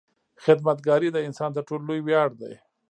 • خدمتګاري د انسان تر ټولو لوی ویاړ دی.